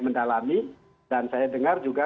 mendalami dan saya dengar juga